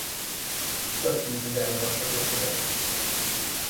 Több tízezer javaslat érkezett.